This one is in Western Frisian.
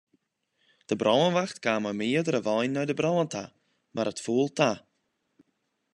De brânwacht kaam mei meardere weinen nei de brân ta, mar it foel ta.